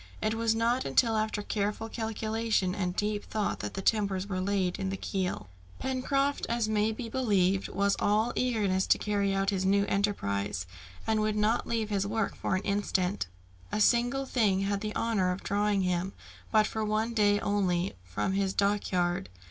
It was not until after careful calculation and deep thought that the timbers were laid on the keel. Pencroft, as may be believed, was all eagerness to carry out his new enterprise, and would not leave his work for an instant. A single thing had the honour of drawing him, but for one day only, from his dockyard.